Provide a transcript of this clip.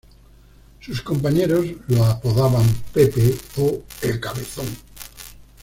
Sus compañeros lo apodaban "Pepe" o "El Cabezón".